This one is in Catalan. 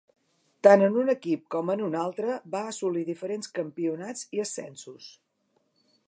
Tant en un equip com en un altre va assolir diferents campionats i ascensos.